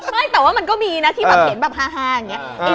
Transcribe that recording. ไม่แต่ว่ามันก็มีนะที่แบบเห็นแบบฮาอย่างนี้